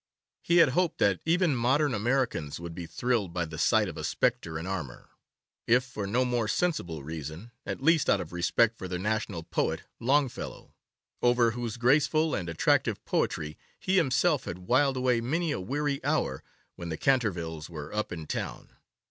He had hoped that even modern Americans would be thrilled by the sight of a Spectre In Armour, if for no more sensible reason, at least out of respect for their national poet Longfellow, over whose graceful and attractive poetry he himself had whiled away many a weary hour when the Cantervilles were up in town.